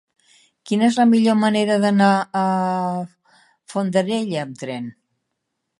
Quina és la millor manera d'anar a Fondarella amb tren?